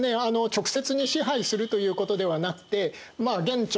直接に支配するということではなくて元朝からね